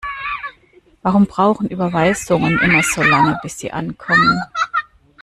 Warum brauchen Überweisungen immer so lange, bis sie ankommen?